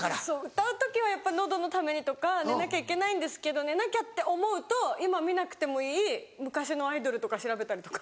歌う時はやっぱ喉のためにとか寝なきゃいけないんですけど寝なきゃって思うと今見なくてもいい昔のアイドルとか調べたりとか。